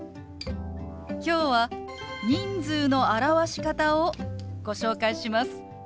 今日は人数の表し方をご紹介します。